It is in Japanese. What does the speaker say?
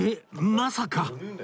まさか